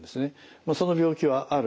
もうその病気はある。